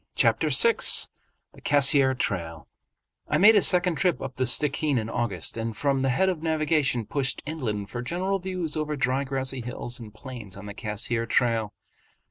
Chapter VI The Cassiar Trail I made a second trip up the Stickeen in August and from the head of navigation pushed inland for general views over dry grassy hills and plains on the Cassiar trail.